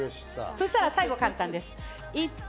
そしたら最後簡単です。